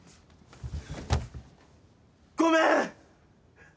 ごめん！